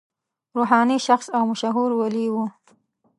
روحاني شخص او مشهور ولي و.